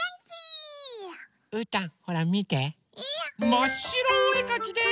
まっしろおえかきです！